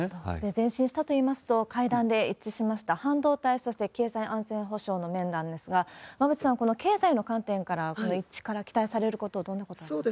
前進したといいますと、会談で一致しました、半導体、そして経済安全保障の面なんですが、馬渕さん、この経済の観点から、この一致から期待されることはどんなことがありますか？